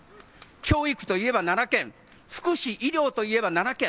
教育といえば奈良県、福祉・医療といえば奈良県。